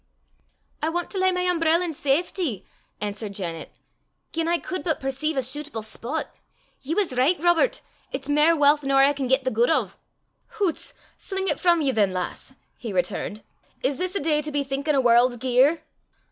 "I want to lay my umbrell in safity," answered Janet, " gien I cud but perceive a shuitable spot. Ye was richt, Robert, it's mair w'alth nor I can get the guid o'." "Hoots! fling 't frae ye, than, lass," he returned. "Is this a day to be thinkin' o' warl's gear?"